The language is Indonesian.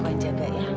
selamat siang alena